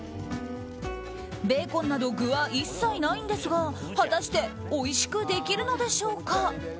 ベーコンなど具は一切ないんですが果たしておいしくできるのでしょうか。